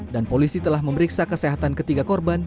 dan polisi telah memeriksa kesehatan ketiga korban